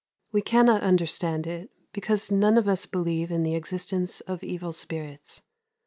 We cannot understand it, because none of us believe in the existence of evil spirits.